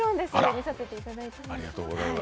見させていただいてます。